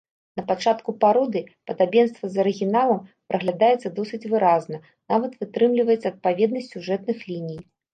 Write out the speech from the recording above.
Напачатку пародыі падабенства з арыгіналам праглядаецца досыць выразна, нават вытрымліваецца адпаведнасць сюжэтных ліній.